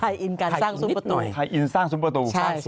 ทายอินการสร้างสุมประตูนิดหน่อยใช่ทายอินสร้างสุมประตู